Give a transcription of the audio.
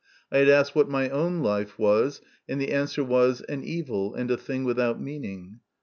I had asked what my own life was, and the answer was, an evil and a thing without meaning.